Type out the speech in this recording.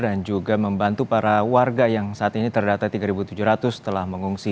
juga membantu para warga yang saat ini terdata tiga tujuh ratus telah mengungsi